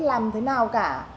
làm thế nào cả